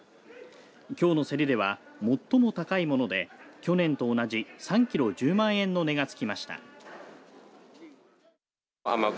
きょうの競りでは最も高いもので去年と同じ３キロ１０万円の値がつきました。